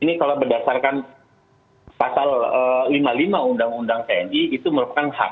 ini kalau berdasarkan pasal lima puluh lima undang undang tni itu merupakan hak